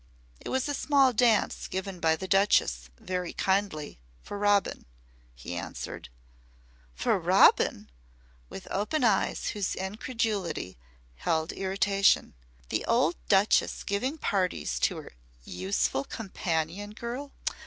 "It was a small dance given by the Duchess, very kindly, for Robin," he answered. "For Robin!" with open eyes whose incredulity held irritation. "The old Duchess giving parties to her 'useful companion' girl!